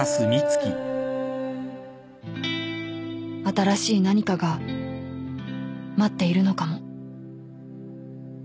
［新しい何かが待っているのかも］